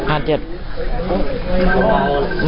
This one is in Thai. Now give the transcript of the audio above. อาจจะเจ็ด